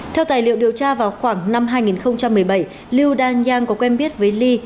theo tài liệu điều tra vào khoảng năm hai nghìn một mươi bảy liu dan yang có quen biết với li